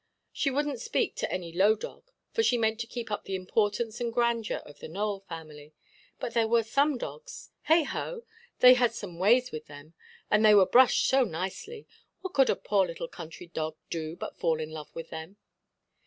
She wouldnʼt speak to any low dog, for she meant to keep up the importance and grandeur of the Nowell family, but there were some dogs, heigho! they had such ways with them, and they were brushed so nicely, what could a poor little country dog do but fall in love with them?